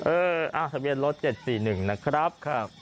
เออทะเบียนรถ๗๔๑นะครับ